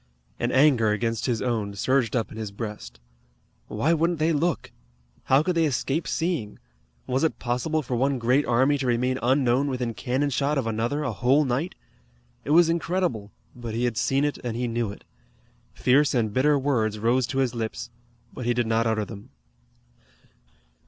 An anger against his own surged up in his breast. Why wouldn't they look? How could they escape seeing? Was it possible for one great army to remain unknown within cannon shot of another a whole night? It was incredible, but he had seen it, and he knew it. Fierce and bitter words rose to his lips, but he did not utter them.